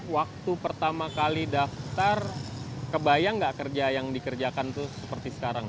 waktu pertama kali daftar kebayang nggak kerja yang dikerjakan tuh seperti sekarang